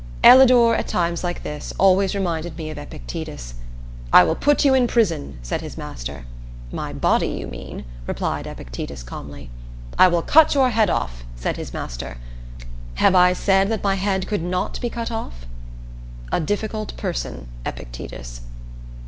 Ellador, at times like this, always reminded me of Epictetus. "I will put you in prison!" said his master. "My body, you mean," replied Epictetus calmly. "I will cut your head off," said his master. "Have I said that my head could not be cut off?" A difficult person, Epictetus.